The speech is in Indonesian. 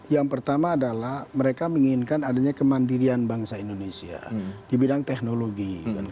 yang pertama adalah mereka menginginkan adanya kemandirian bangsa indonesia di bidang teknologi